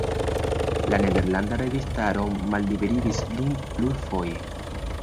La nederlanda registaro malliberigis lin plurfoje.